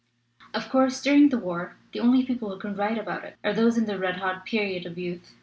"Of course, during the war the only people who can write about it are those who are in the red hot period of youth.